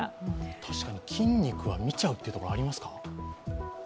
確かに筋肉は見ちゃうってことありますか？